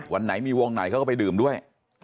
วันไหนมีวงไหนเขาก็ไปดื่มด้วย